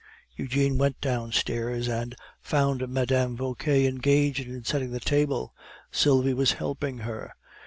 Eugene went downstairs, and found Mme. Vauquer engaged in setting the table; Sylvie was helping her.